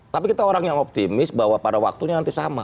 tapi kita orang yang optimis bahwa pada waktunya nanti sama